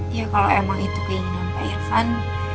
ya kalau emang itu keinginan pak irsan